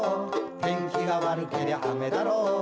「天気が悪けりゃ雨だろう！」